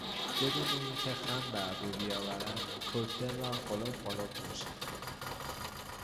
بدون این که خم به ابرو بیاورد کوکتل را قلپ قلپ نوشید.